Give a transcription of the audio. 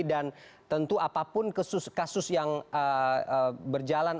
dan tentu apapun kasus yang berjalan